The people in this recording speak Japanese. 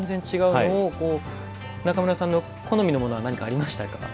中村さんが好みのものはありましたか？